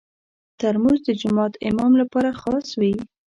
ترموز د جومات امام لپاره خاص وي.